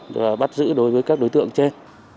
và bắt giữ đối với các đối tượng trên